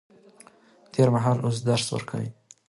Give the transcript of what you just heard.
تېر مهال د اوس درس ورکوي.